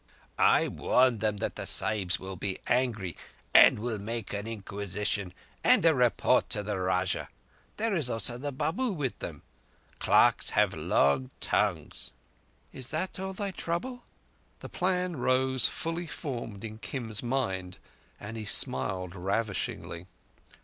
"I warned them that the Sahibs will be angry and will make an inquisition and a report to the Rajah. There is also the Babu with them. Clerks have long tongues." "Is that all thy trouble?" The plan rose fully formed in Kim's mind, and he smiled ravishingly.